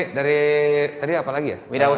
pemuda tahan nama saya jahra meta tani